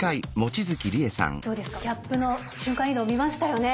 キャップの瞬間移動見ましたよね？